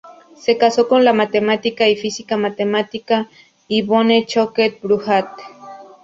Se casó con la matemática y física matemática Yvonne Choquet-Bruhat.